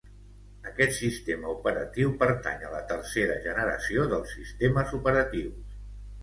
Aquest sistema operatiu pertany a la tercera generació dels sistemes operatius.